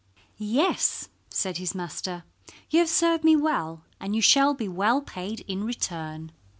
"Yes," said his master, "you have served me well, and you shall be well paid in return."